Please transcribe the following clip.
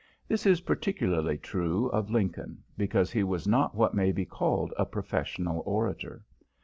This is particularly true of Lincoln, because he was not what may be called a professional orator.